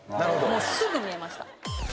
もうすぐ見えました。